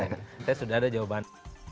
kita sudah ada jawaban